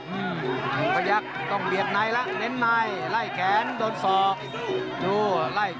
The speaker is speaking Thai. อืมก็ยักษ์ต้องเบียดในละเน้นในไล่แขนโดนสอบดูไล่